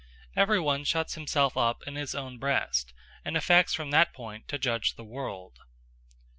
Everyone shuts himself up in his own breast, and affects from that point to judge the world.